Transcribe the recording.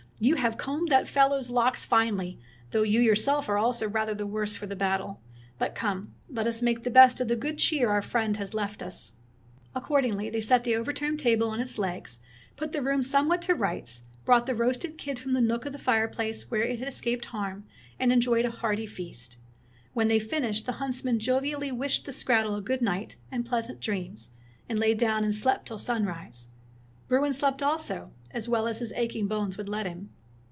" You have combed that fellow's locks finely, though you your seK are also rather the worse for the battle. But come, let us make the best of the good cheer our friend has left us." 26 Fairy Tale Bears Accordingly, they set the overturned table on its legs, put the room somewhat to rights, brought the roasted kid from the nook of the fireplace where it had escaped harm, and enjoyed a hearty feast. When they finished, the huntsman jovially wished the skrattel a good night and pleasant dreams, and lay down and slept till sunrise. Bruin slept also, as well as his aching bones would let him.